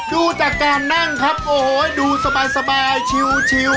ดูจากการนั่งครับโอ้โหดูสบายชิว